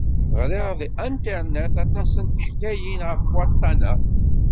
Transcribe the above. Ɣriɣ deg anternet aṭas n teḥkayin ɣef waṭṭan-a.